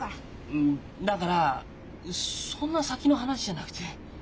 うんだからそんな先の話じゃなくて。